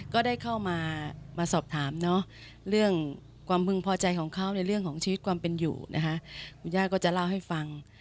ก็ได้เข้ามาสอบถามเรื่องความพึงพอใจของเขา